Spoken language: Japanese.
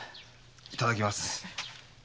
いただきます。